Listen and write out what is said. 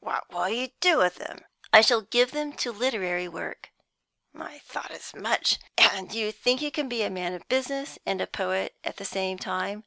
"What will you do with them?" "I shall give them to literary work." "I thought as much. And you think you can be a man of business and a poet at the same time?